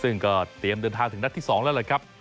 ซึ่งก็เตรียมเดินทางถึงนัดที่๒แล้วล่ะครับ